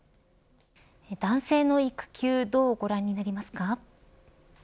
男性の育休どうご覧になりますか。